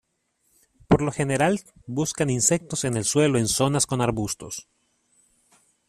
Por lo general buscan insectos en el suelo en zonas con arbustos.